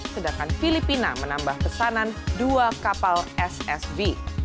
sedangkan filipina menambah pesanan dua kapal ssv